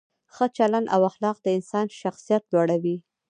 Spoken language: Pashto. ښه چلند او اخلاق د انسان شخصیت لوړوي.